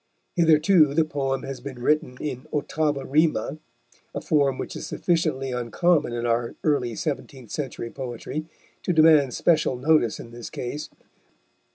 Hitherto the poem has been written in ottava rima, a form which is sufficiently uncommon in our early seventeenth century poetry to demand special notice in this case.